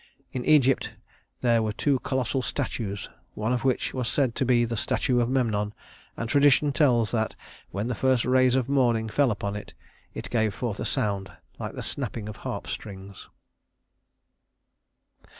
In Egypt there were two colossal statues, one of which was said to be the statue of Memnon; and tradition tells that when the first rays of morning fell upon it, it gave forth a sound like the snapping of harp strings.